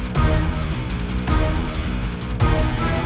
kami semua kemari untuk membantumu